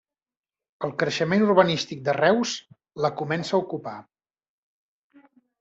El creixement urbanístic de Reus la comença a ocupar.